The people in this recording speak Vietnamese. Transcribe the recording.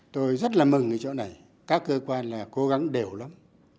tôi rất là mừng ở chỗ này các cơ quan là cố gắng đều lắm